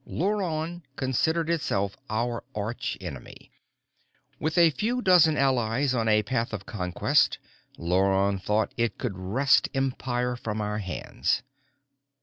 Luron considered itself our arch enemy. With a few dozen allies on a path of conquest, Luron thought it could wrest Empire from our hands.